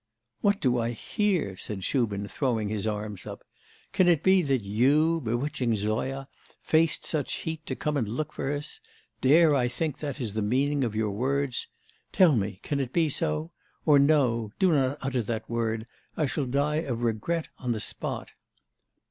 'What do I hear?' said Shubin, throwing his arms up. 'Can it be that you, bewitching Zoya, faced such heat to come and look for us? Dare I think that is the meaning of your words? Tell me, can it be so? Or no, do not utter that word; I shall die of regret on the spot.